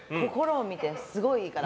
すごいいいから。